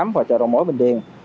và trò đồng mối bình điền